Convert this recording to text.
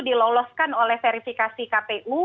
diloloskan oleh verifikasi kpu